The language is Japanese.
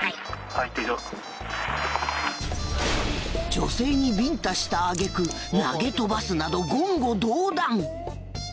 女性にビンタした挙句投げ飛ばすなど言語道断。